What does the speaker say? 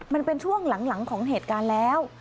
มันเป็นช่วงหลังของเหตุการณ์แล้ว